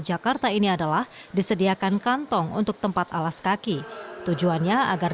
jakarta ini adalah disediakan kantong untuk tempat alas kaki tujuannya agar